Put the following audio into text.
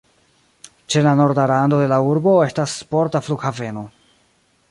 Ĉe la norda rando de la urbo estas sporta flughaveno.